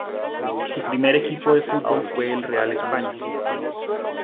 Su primer equipo de fútbol fue el Real España.